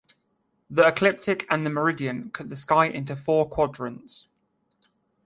The ecliptic and the meridian cut the sky into four quadrants.